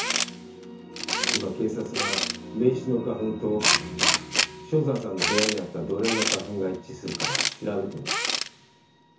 今警察が名刺の花粉と正山さんの部屋にあった土鈴の花粉が一致するか調べています。